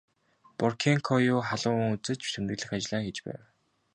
Боркенкою халуун үзэж тэмдэглэх ажлаа хийж байв.